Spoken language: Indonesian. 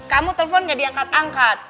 kamu telepon gak diangkat angkat